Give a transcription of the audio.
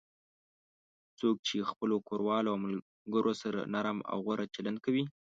څوک چې خپلو کوروالو او ملگرو سره نرم او غوره چلند کوي